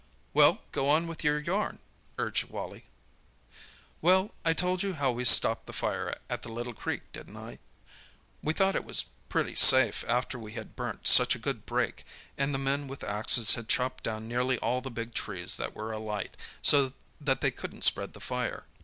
"Well, go on with your yarn," urged Wally. "Well—I told you how we stopped the fire at the little creek, didn't I? We thought it was pretty safe after we had burnt such a good break, and the men with axes had chopped down nearly all the big trees that were alight, so that they couldn't spread the fire.